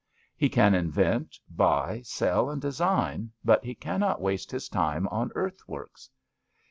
He can invent, buy, sell and design, but he cannot waste his time on earth :works.